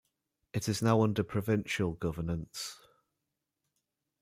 It is now under provincial governance.